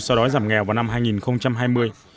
so đói giảm nghèo vào năm hai nghìn hai mươi